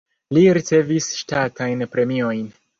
Li ricevis ŝtatajn premiojn.